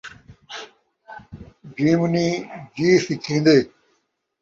جِیونیں جی سِکھیندے